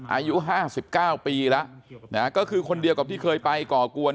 อายุ๕๙ปีแล้วนะฮะก็คือคนเดียวกับที่เคยไปก่อกวน